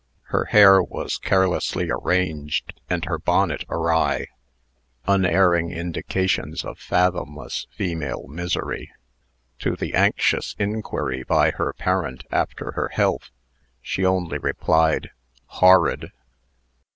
Her hair was carelessly arranged, and her bonnet awry unerring indications of fathomless female misery. To the anxious inquiry by her parent after her health, she only replied, "Horrid!"